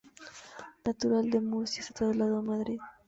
Natural de Murcia, se trasladó a Madrid.